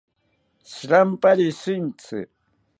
Shirampari shitzi